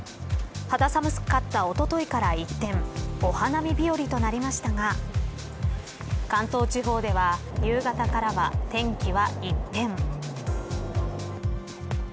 肌寒かったおとといから一転お花見日和となりましたが関東地方では夕方から天気は一変。